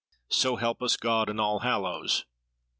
So help us God and Allhallows!"